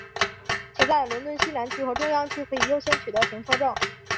且在伦敦西南区和中央区可以优先取得停车证。